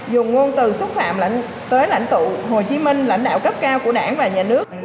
dùng ngôn từ xúc phạm lãnh tới lãnh tụ hồ chí minh lãnh đạo cấp cao của đảng và nhà nước